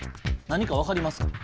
何か分かりますか？